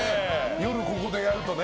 夜、ここでやるとね。